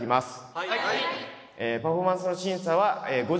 はい。